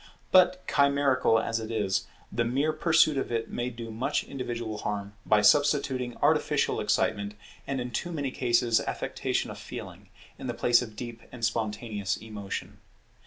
But chimerical as it is, the mere pursuit of it may do much individual harm by substituting artificial excitement, and in too many cases affectation of feeling, in the place of deep and spontaneous emotion.